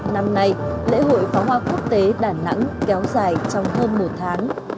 năm nay lễ hội pháo hoa quốc tế đà nẵng kéo dài trong hơn một tháng